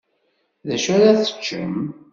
Dacu ara teččem?